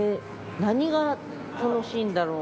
何が楽しいんだろう？